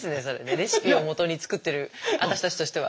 レシピをもとに作ってる私たちとしては。